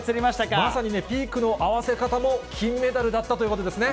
まさにね、ピークの合わせ方も、金メダルだったということですね。